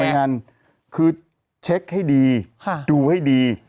งั้นคือเช็คให้ดีดูให้ดี